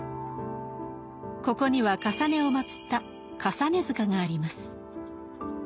ここにはかさねを祀った「累塚」があります。